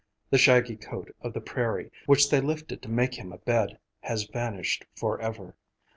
The shaggy coat of the prairie, which they lifted to make him a bed, has vanished forever.